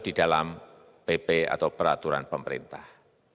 di dalam pp atau peraturan pemerintah